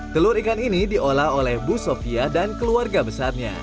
telur ikan ini diolah oleh bu sofia dan keluarga besarnya